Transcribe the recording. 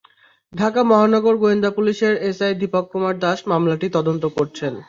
ঢাকা মহানগর গোয়েন্দা পুলিশের এসআই দীপক কুমার দাস মামলাটি তদন্ত করছেন।